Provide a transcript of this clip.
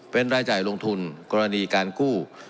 เป็นรายจ่ายลงทุนกรณีการกู้